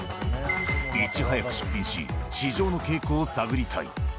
いち早く出品し、市場の傾向を探りたい。